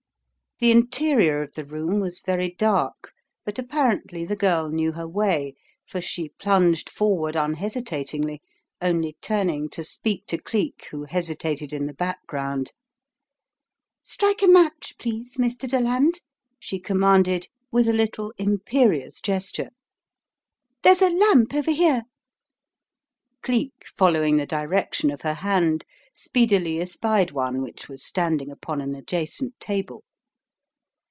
The interior of the room was very dark, but apparently the girl knew her way, for she plunged forward unhesitatingly, only turning to speak to Cleek who hesitated in the background. "Strike a match, please, Mr. Deland," she com manded with a little imperious gesture. "There's The Home Coming 21 a lamp over here." Cleek, following the direction of her hand, speedily espied one which was standing upon an adjacent table.